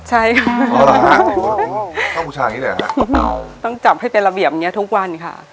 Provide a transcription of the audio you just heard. ใช่ค่ะต้องบูชาอย่างนี้เลยเหรอฮะต้องจับให้เป็นระเบียบเนี้ยทุกวันค่ะ